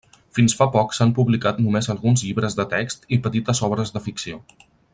Fins fa poc s'han publicat només alguns llibres de text i petites obres de ficció.